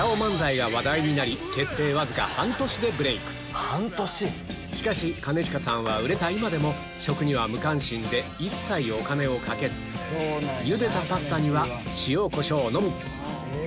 結成わずか半年でしかし兼近さんは売れた今でも食には無関心で一切お金をかけずゆでたパスタにはうん！